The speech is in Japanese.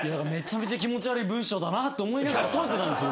気持ち悪い文章だなと思いながら解いてたんですよ